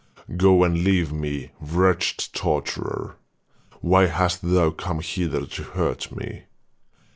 Go and leave me, wretched torturer! Why hast thou come hither to hurt me?